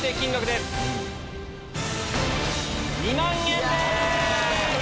２万円です！